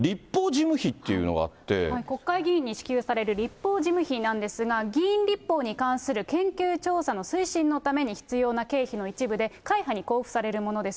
国会議員に支給される立法事務費なんですが、議員立法に関する研究調査の推進のために必要な経費の一部で、会派に交付されるものです。